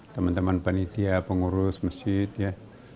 teman teman panitia pengurus masjid ya